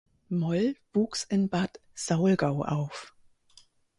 Moll wuchs in Bad Saulgau auf.